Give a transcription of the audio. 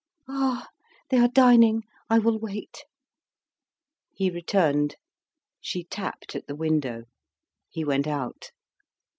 "Ah! they are dining; I will wait." He returned; she tapped at the window. He went out.